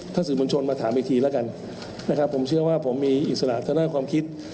ถ้าสื่อมวลชนมาถามอีกทีแล้วกันนะครับผมเชื่อว่าผมมีอิสระทางด้านความคิด